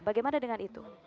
bagaimana dengan itu